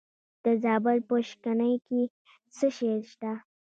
د زابل په شنکۍ کې څه شی شته؟